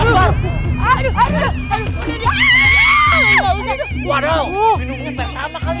waduh minumnya pertama kali ya